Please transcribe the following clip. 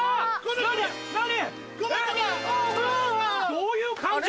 どういう感情？